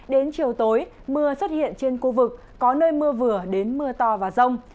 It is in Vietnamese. đến chiều tối mưa xuất hiện trên khu vực có nơi mưa vừa đến mưa to và rông